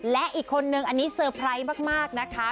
และอีกคนนึงอันนี้เซอร์ไพรส์มากนะคะ